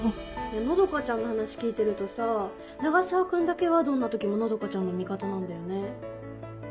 和佳ちゃんの話聞いてるとさ永沢君だけはどんな時も和佳ちゃんの味方なんだよね。